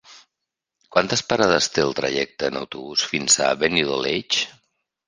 Quantes parades té el trajecte en autobús fins a Benidoleig?